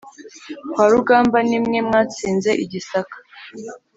Kwa Rugambwa ni mwe mwatsinze i Gisaka.